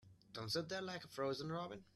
Don't sit there like a frozen robin.